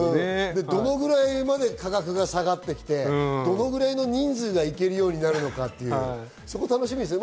どのくらいまで価格が下がってどのくらいの人数が行けるようになるのか、そこが楽しみですね。